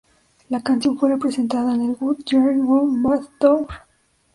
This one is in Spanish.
La canción fue representada en el Good Girl Gone Bad tour.